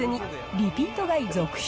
リピート買い続出。